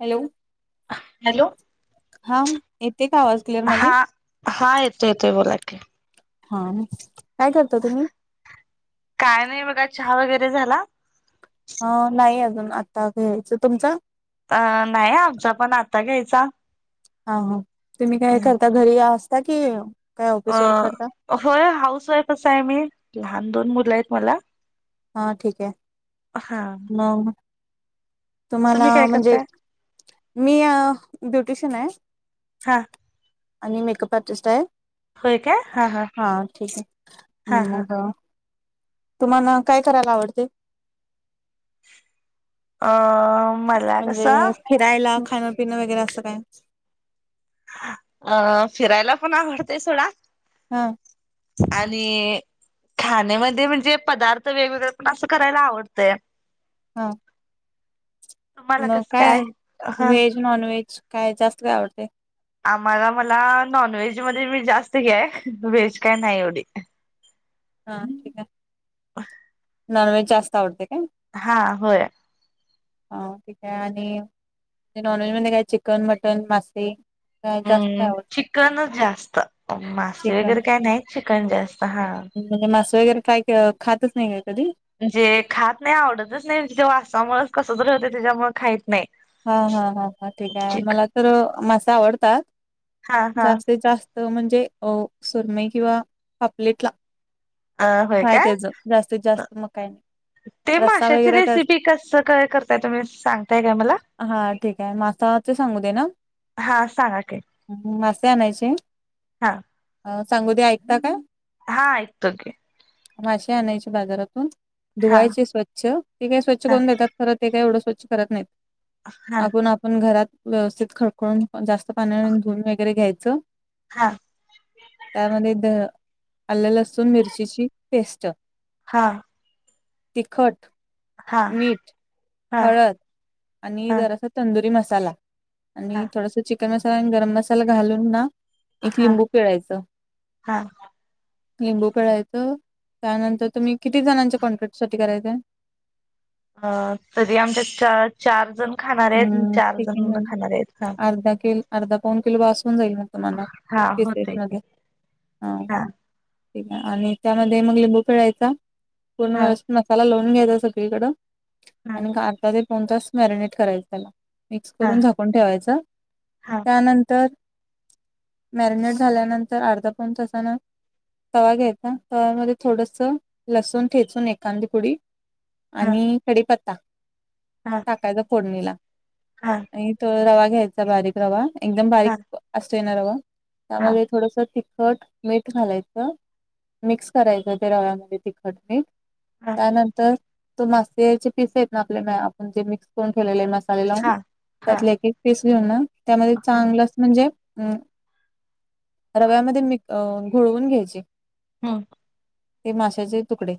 Hello! Hello! हा येते का आवाज क्लिअर माझी? हा- हा येतोयं यं येतोयं बोला कि? हा काय करता तुम्ही? काय नाही बघा चहा वगैरे झाला. ह नाही अजून आता घ्यायचं तुमचं? अ नाही आमचा पण आता घ्यायचा. हा हा तुम्ही काय करता घरी असता की? काय ऑफिस वर्क करता? अ होय हाऊस वाईफ स आहे मी लहान दोन मुलं आहेत मला. हा ठीक हे. हा. तुम्हाला तुम्ही काय म्हणजे करताय मी ब्युटिशियन आहे. हां. आणि मेकअप आर्टिस्ट आहे. हा ठीक आहे हा हा मंग तुम्हाला काय करायला आवडते? अ मला म्हणजे कसं फिरायला खाणं पिणं वगैरे असं काय? अ- फिरायला पण आवडतेय सोडा. हा. आणि? खाण्यामध्ये म्हणजे पदार्थ वेगवेगळे पण असं करायला आवडतयं. हा. तुम्हाला मग कसं काय हा व्हेज नॉन व्हेज काय जास्त आवडते? आम्हाला मला नॉन व्हेज मध्ये मी जास्त हे व्हेज काय नाही एवढी. हा ठीक आहे. ह. नॉनव्हेज जास्त आवडते का? हा होय. हा ठीक आहे आणि नॉनव्हेज मध्ये काय चिकन मटन मासे? काय जास्त हम् आवडत चिकनचं जास्त मासे चिकन वगैरे काय नाही चिकन जास्त हा. म्हणजे मासे वगैरे काय खातच नाही काय कधी? जे खात नाही आवडतच नाही ते वासामुळेच कसं तरी होतं त्याच्यामुळे खाहीत नाही. हा हा हा हा ठीक आहे चिक मला तर मासे आवडतात हा हा जास्तीत जास्त त म्हणजे सुरमई किंवा पापलेटला. अ होय फ्राय काय? त्याचं जास्तीत जास्त म काई नाही. ते रस्सा माशाची वगैरे त्या रेसिपी कसं काय करताय तुम्ही सांगताय काय मला? हा ठीक आहे मासा ते सांगू दे ना. हा सांगा का. हम् मासे आणायचे. हां. अ सांगूद्या ऐकता का. हा ऐकतो की. मासे आणायचे बाजारातून हा धुवायचे स्वच्छ ते काय स्वच्छ हा करून देतात. खरं ते काही एवढं स्वच्छ करत नाहीत हा आपण आपण घरात व्यवस्थित खडकून. मग जास्त पाण्यामध्ये धूऊन वगैरे घ्यायचं. हा. त्यामध्ये दह आले लसून मिरचीची पेस्ट. हा. तिखट, हा मीठ, हा हळद. आणि हा जरासा तंदुरी मसाला हा आणि थोडस चिकन मसाला आणि गरम मसाला घालून ना. एक हा लिंबू पिळायच हा लिंबू पिळायच. तर त्यानंतर तुम्ही किती जणांच्या कॉन्ट्रॅक्ट साठी करायच आहे. अ तरी आमच्या चार. जण खाणारे आहेत हम् चार ठीक आहे जण मग खाणारे आहेत हा अर्धा किल अर्धा पाऊन किलो बासून जाईल मग. तुम्हाला हा फेसेस होतय की मध्ये हा. ठीक आहे आणि त्यामध्ये मग लिंबू पिळायचा पूर्ण हा व्यवस्थ. मसाला लावून घ्यायचा सगळीकडं हा आणि अर्धा ते पाऊण तास मॅरिनेट करायचं. मिक्स हा करून झाकून ठेवायचं हा त्यानंतर. मॅरिनेट झाल्यानंतर अर्धा पाऊण तासानं. तवा घ्यायचा तवामध्ये थोडसं लसूण ठेचून एकांदीपुडी. हा आणि कडीपत्ता हा हा टाकायचा फोडणीला. हा. आणि तो रवा घ्यायचा बारीक रवा एकदम हा बारीक असतोयं ना रवा. त्यामध्ये थोडसं तिखट. मीठ घालायचं मिक्स करायचं ते रव्यामध्ये तिखट मीठ. हा. नंतर ते मास्याचे पिस आहेत ना आपले आपण जे मिक्स करून ठेवलेले मासे. हा हा त्यातले एक एक पीस घेऊन ना त्यामध्ये हा चांगलं. म्हणजे अ रव्यामध्ये मिक्स म घोळवून घ्यायची. ह. ते माशाचे तुकडे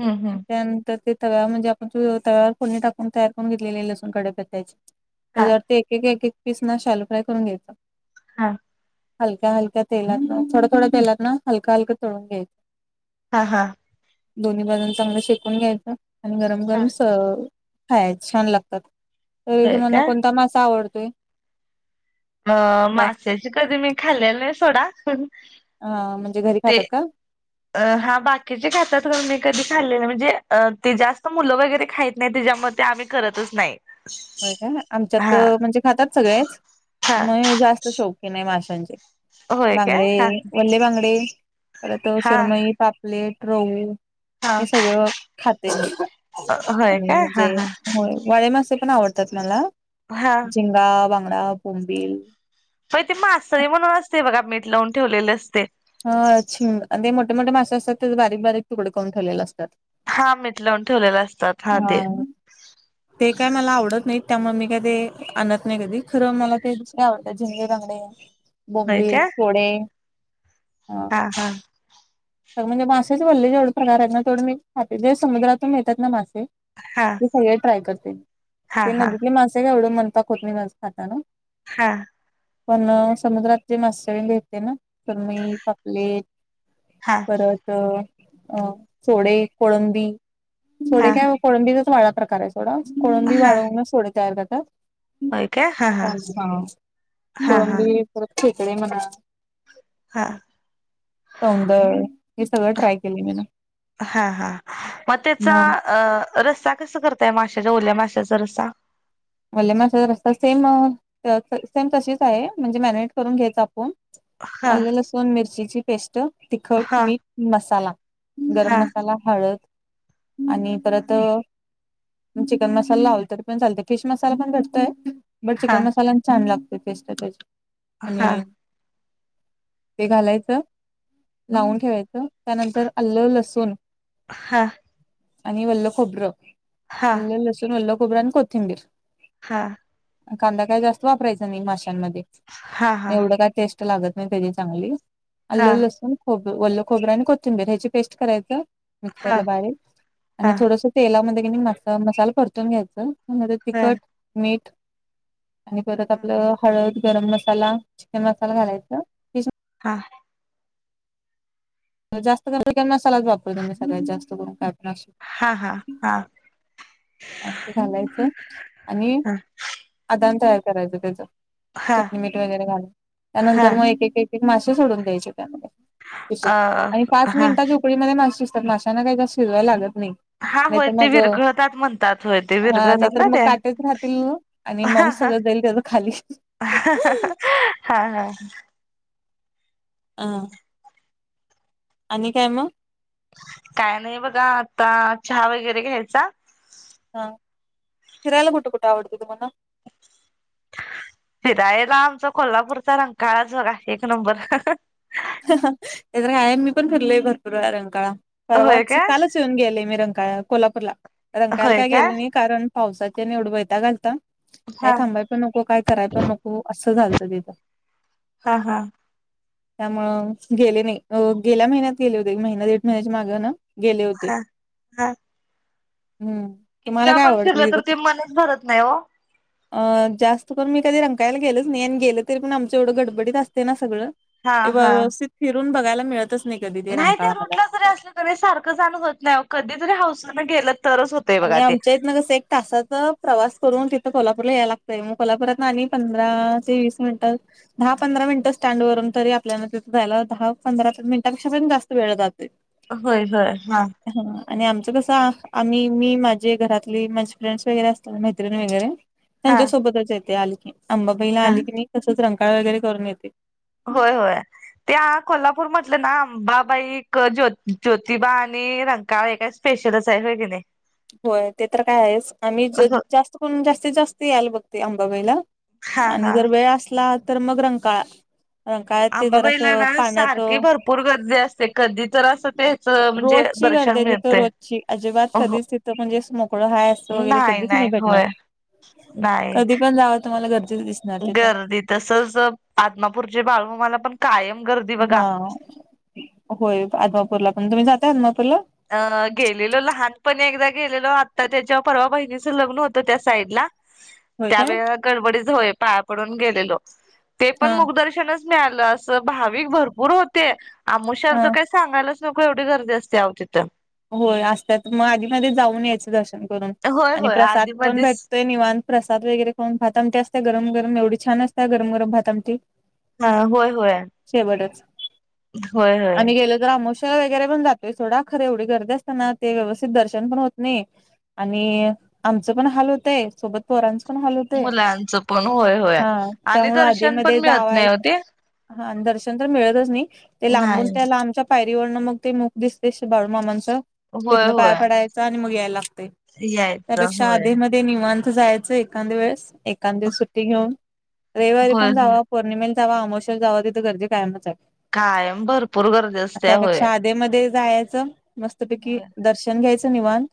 हम्म हम्म त्यानंतर ते. तव्यावर म्हणजे आपण तव्यावर फोडणी टाकून तयार करून घेतलेले लसून कडे पेचायचे. हा त्याच्यावरती एक एक एक एक पीस ना शॅल फ्राय करून घ्यायचं. हा. हलक्या हलक्या तेलातनं थोडा थोड्या तेलात ना हलकं हलकं तळून घ्यायचं. हा हा. दोन्ही बाजून चांगलं शेकून घ्यायचं आणि गरम हा गरम स खायचं. छान लागतात तरी होय तुम्हाला का कोणता मासा आवडतोयं. अ माशची कधी मी खाल्लेला नाही सोडा. हा म्हणजे घरी ते खातात का? हा बाकीचे खातात मी कधी खाल्ले नाही म्हणजे ते जास्त मुलं वगैरे खाय. नाही त्याच्यामध्ये आम्ही करतच नाही. हो का, आमच्यात हा म्हणजे खातात सगळे हा म जास्त शौकीन नाही माशांची. होय काय बांगडे हा वल्ले बांगडे. परत हा सरमई पापलेट रहू. हा हे सगळं खाते होय आणि काय हा म्हणजे. हा होय वाळेमासे पण आवडतात मला हा झिंगा बांगडा बोंबिल. होय ते मासळी म्हणून असते बघा मीठ लावून ठेवलेलं असतयं. ह झिंगा आणि मोठे मोठे मासे असतात ते बारीक बारीक तुकडे करून ठेवलेले असतात. हा मिठ लावून ठेवलेले असतात हा ते. ते काय मला आवडत नाहीत त्यामुळे मी का ते आणत नाही कधी खरं मला ते दुसरे आवडतं झंगे बांगडे. होय बोंबिल काय फोडे. हा हा, म्हणजे मासेच वल्ले जवढे पगार आहेत ना तेवढं मी खाते जे समुद्रातून येतात ना मासे. हा, ते सगळे ट्राय करते हा ते हा नदीतले मासे काय एवढं मन पाक होत नाही जास्त खाताना. हा, पण समुद्रातले मासळी मिळते ना सुरमई पापलेट. हा परत अ सोडे कोळंबी. हा कोळंबीचाच वाळा प्रकार आहे सोडा कोळंबी हा वाळवूनच सोडे तयार करतात. होय काय हा हा हा हा कोळंबी [unintelligible] परत खेकडे म्हणा हा सौंदळ. हे सगळं ट्राय केले मी ना अहं हा हा, मग त्याचा. अ रस्सा कस करताय माशाच्या ओल्या माशाचा रस्सा. मलेमास्ता सेम सेम तशीच आहे म्हणजे मॅरिनेट करून घ्यायचं आप''--'' पण हा आल्या लसूण मिरचीची पेस्ट. तिखट हा मीठ मसाला गरम हा मसाला हळद. आणि हा परत चिकन मसाला लावल तरी पण चालत. फिश मसाला पण भटतोय बट हा चिकन मसाला छान लागतो फेस्ट त्याची. हा आणि ते घालायचं. लावून ठेवायचं त्यानंतर आल्लं लसूण. हा, आणि वल्लखोबरं हा आल्ललसूण वल्लखोबरं आणि कोथिंबीर. हा, कांदा काय जास्त वापरायचा नाही माशांमध्ये हा एवढं काय टेस्ट. लागत नाही त्याची चांगल आलं हा लसूण. खोबर वल्ललं खोबरं आणि कोथिंबीर ह्याची पेस्ट करायचं मिक्सर ला हा बारीक आणि थोडस. तेलामध्ये कणी म मसाला परतून घ्यायच त्या तिखट मीठ. आणि परत हा आपलं हळद गरम मसाला चिकन मसाला घालायचा. हा हा, जास्त कर मसालाच वापरत मीगळ्यात जास्त करूनय. हा हा हा, त्यात ते घालायचं आणि ह अदान तयार करायचं त्याच. हा चटणी मीठ वगैरे घालून हा त्यानंतर मग एक एक एक मासे सोडून द्यायचे त्यामध्ये. त्याच्यात अ आणि पाच हा मिनिटाच्या उकडीमध्ये माशी दिसतात माशांना काही जा शिजवायला लागत नाही. हा, होय नाहीतर ते मग विरघळतात म्हणतात होय ते. हा नाही विरघळतात तर ना मग त्या काटेच राहतील आणि हा मऊस हा सगळं जाईल त्याच खाली. हा हा ह आणि काय मग? काय नाही बघा आता, चहा वगैरे घ्यायचा. हा, फिरायला कुठे कुठे आवडत तुम्हाला? फिरायला, आमचा कोल्हापूरचा रंकाळाच बघा एक नंबर ते तर काय, मी पण फिरलेय भरपूर रंकाळा, होय परवाच का कालच येऊन गेले मी रंकाळा कोल्हापूरला, रंकायला होय काय का गेले नाही, कारण पावसाच्या नि एवढा वैताग आ. काय हा थांबाय पण नको, काय कराय पण नको, असं झालतं तिथं हा हा त्यामुळं गेले नाई, गेल्या महिन्यात गेले होते, एक महिना दीड महिन्याची मागे ना गेले होते, हा हा हम्म. किती तुम्हाला वेळा काय पण आवडते फिरलं तर तिथं? ते मनच भरत नाही हो. [inaudible] अ, जास्त करून मी कधी रंकायला गेलच नाही आणि गेलं तरी पण आमचं एवढं गडबडीत असते ना सगळं हा हा व्यवस्थित फिरून बघायला मिळतच नाही कधी. ते नाही त्या रंकाळा मला. रूटला जरी असलं तरी सारखं जाण होत नाही हो, कधी तरी हाऊसनं गेलं तरच होत. आणि आमच्या इतनं कसंये तासाचा प्रवास करून तिथं कोल्हापूरला यायला लागतंय, मग कोल्हापुरातन आणि पंधरा ते वीस मिनिटात दहा पंधरा मिनिटं स्टँड वरुन तरी आपल्याला तिथं जायला दहा पंधरा मिनटांपेक्षा पण जास्त वेळ जातोय. होय होय हा हा, आणि आमचं कसं आम्ही मी, माझे घरातली, माझे फ्रेंड्स वगैरे असतात, मैत्रिणी वगैरे हा त्यांच्या सोबतच येते आलीकी अंबाबाईला हा आली की नई, तसंच रंकाळं वगैरे करून येते. होय होय. त्या कोल्हापूर म्हटलं ना, अंबाबाई, ज्यो ज्योतिबा आणि रंकाळं एका स्पेशलच हाय, व्हय कि नाही? होय ते तर काय आहेच, आम्ही हो जास्त करून जास्तीत जास्त यायला बघते आंबाबाईला. हा आणि हा. जर वेळ असला, तर मग रंकाळा. रंकाळ्यात ते जरासं आंबाबाईलांना पाण्यात सारखी भरपूर गर्दी असते, कधी तर असं ते रोजची गर्दी ए तिथं, रोजची, अजिबात हो कधीच ति तं म्हणजे असं मोकळं हाय असं वगैरे कधीच नाही भेटणार. नाही कधी पण जावा तुम्हाला गर्दीच दिसते गर्दी तसंच, आदमापूरची बाळमामाला पण कायम गर्दी बघा हां, होय आदमापूरला पण, तुम्ही जाताय आदमापूरला? अं, गेलेलो. लहानपणी एकदा गेलेलो, आत्ता त्याच्या परवा बहिणीचं लग्न होतं त्या साईड ला [inaudible] त्यावेळे गडबडीच होय, पाया पडून गेलेलो, ते पण हा मुख दर्शनच मिळालं अस, भाविक भरपूर होते, अमावास्या हा तर काही सांगायलाच नको, एवढी गर्दी असते अहो तिथं. होय असत्यात, मग आधी मदि जाऊन यायचं दर्शन करून होय आणि होय प्रसाद आधी पण मधीच भेटतोय निवान प्रसाद वगैरे खाऊन, भात आमटी असत, गरम गरम एवढी छान असत्या, गरम गरम भाता आमटी. हं होय होय शेवटच. होय होय आम्ही गेलो तर आमोशाला वगैरे पण जातोय सोडा खर एवढी गर्दी असताना ते व्यवस्थित दर्शन पण होत नाही, आणि आमचं पण हाल होतंय, सोबत पोरांचं पण हाल होतंय, मुलांचं पण होय होय हा, आणि त्यामुळं आधी दर्शन पण मध्ये मिळत जावाय नाही ओ ते हा आणि दर्शन तर मिळतच नाही, ते लांबून नाही त्या लामच्या पायरीवरनं मग ते मूक दिसतय बाळू मामांचं होय तिथनं पाया होय पडायच आणि मग याय लागतय, यायचं त्यापेक्षा होय आधी म ते निवांत जायचं एखांद वेळेस, एखांद दिवस सुट्टी घेऊन, रविवारी होय पण होय जावा पोर्णिमेला जावा, आमोशला जावा, तितं गर्दि कायमच आहे. कायम भरपूर गर्दी असते होय त्यापेक्षा आधी मध्ये जायाचं मस्तपैकी होय दर्शन घ्यायचं निवांत,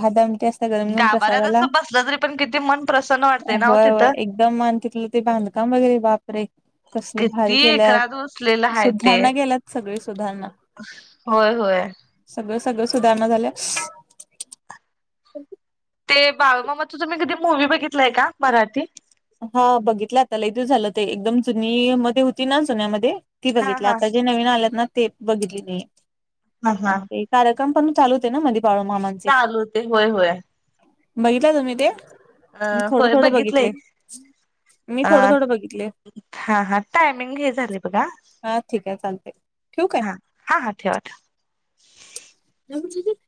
भात आमटी अस गाभऱ्यात असं बसलं तरी पण किती मन प्रसन वाटतय ना वो होय होय तिथं? एकदम मन तितलं ते बांधकाम वगैरे बाप परे! कसलं भारी किती केल्यात, एकरात वसलेलं आहे ते. सुधारणा केेल्यात सगळी सुधारणा. होय होय. सगळं सगळं सुधारणा झाल्या. ते बाळुमामाचं तुम्ही कधी मूवी बघितलाय का, मराठी? हा बघितल्या आता लई दिवस झालं ते, एकदम जुनी मध्ये होती ना, जुन्यामध्ये ती हा बघितली हा. आता जे नवीन आल्यात ना, ते बघितली नाही, हा हा ते कार्यक्रम पण चालू होते ना मदे बाळूमामा चालू हूते, होय होय. बघितलाय तुम्ही ते? अ थोडं थोडं बघितले. मी थोडं अं, थोडं बघितले हा हा टायमिंग हे झालय बघा. हा ठीक आहे चालतंय ठेवू काय? हा हा हा ठेवा ठेवा. जगूदिदी